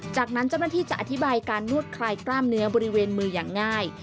จากนั้นเจ้าหน้าที่จะอธิบายการนวดคลายกล้ามเนื้อบริเวณมืออย่างง่าย